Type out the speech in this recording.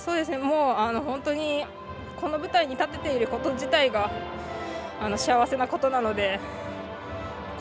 本当に、この舞台に立てていること自体が幸せなことなので。